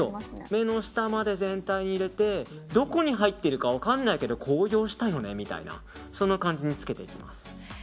目の下まで全体に入れてどこに入ってるか分からないけど高揚したよねみたいなその感じでつけていきます。